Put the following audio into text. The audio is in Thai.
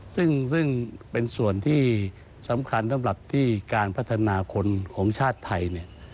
ซึ่งเป็นส่วนที่สำคัญที่การพัฒนาคนของชาติไทย